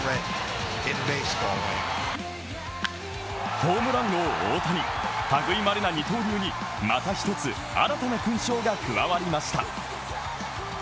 ホームラン王・大谷、類いまれな二刀流にまた一つ新たな勲章が加わりました。